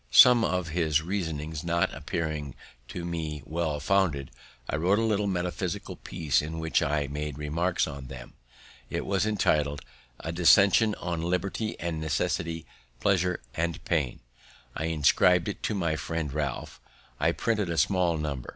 Some of his reasonings not appearing to me well founded, I wrote a little metaphysical piece in which I made remarks on them. It was entitled "A Dissertation on Liberty and Necessity, Pleasure and Pain." I inscribed it to my friend Ralph; I printed a small number.